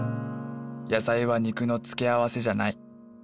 野菜は肉の付け合わせじゃない。